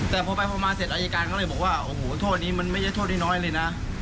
แต่พอไปพอมาเสร็จอายการก็เลยบอกว่าโอ้โหโทษนี้มันไม่ใช่โทษน้อยเลยนะ